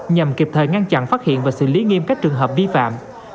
nhằm kịp thời ngăn chặn phát hiện và xử lý nghiêm các trường hợp vi phạm